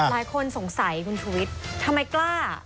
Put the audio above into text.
หลายคนสงสัยคุณชุวิตทำไมกล้า